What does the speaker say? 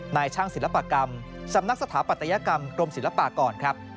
นายช่างศิลปกรรมสำนักสถาปัตยกรรมกรมศิลปากรครับ